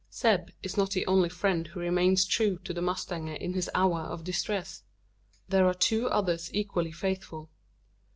Zeb is not the only friend who remains true to the mustanger in his hour of distress. There are two others equally faithful.